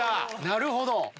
「なるほど」。